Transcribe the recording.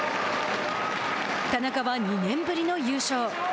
田中は２年ぶりの優勝。